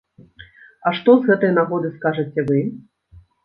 А што з гэтай нагоды скажаце вы?